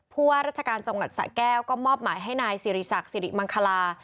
ว่าราชการจังหวัดสะแก้วก็มอบหมายให้นายสิริศักดิ์สิริมังคลา